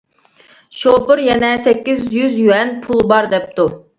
شوپۇر يەنە سەككىز يۈز يۈەن پۇل بار دەپتۇ.